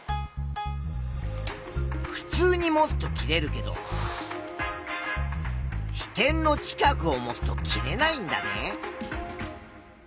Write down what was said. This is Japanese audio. ふつうに持つと切れるけど支点の近くを持つと切れないんだね。